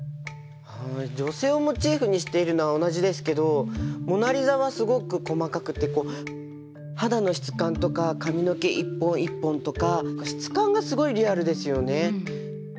はい女性をモチーフにしているのは同じですけど「モナ・リザ」はすごく細かくて肌の質感とか髪の毛一本一本とか質感がすごいリアルですよね。